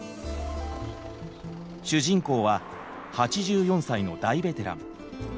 主人公は８４歳の大ベテラン。